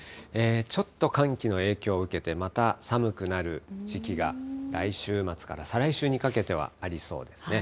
ちょっと寒気の影響を受けて、また寒くなる時期が、来週末から再来週にかけてはありそうですね。